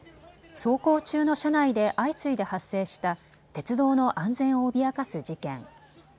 走行中の車内で相次いで発生した鉄道の安全を脅かす事件。